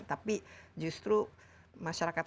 tapi justru masyarakat